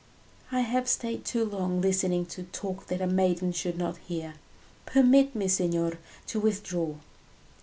"I have stayed too long listening to talk that a maiden should not hear; permit me, signor, to withdraw."